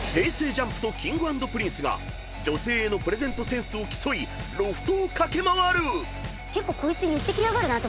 ＪＵＭＰとＫｉｎｇ＆Ｐｒｉｎｃｅが女性へのプレゼントセンスを競いロフトを駆け回る！］